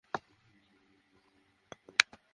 তোমার ঠিকানা বুবুকে বলা আমার উচিত হয়নি।